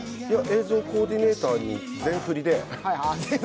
映像コーディネーターに全振りで。